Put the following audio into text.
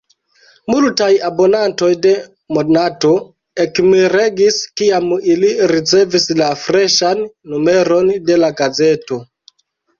Multaj abonantoj de Monato ekmiregis, kiam ili ricevis la freŝan numeron de la gazeto.